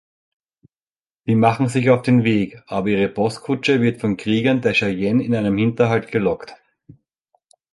Sie machen sich auf den Weg, aber ihre Postkutsche wird von Kriegern der Cheyenne in einen Hinterhalt gelockt.